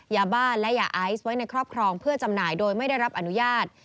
ยาบ้าและยาไอซ์ไว้ในครอบครองเพื่อจำหน่ายโดยไม่ได้รับอนุญาต